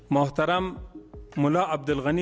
muhtaram mullah abdul aziz